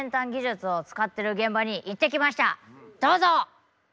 どうぞ！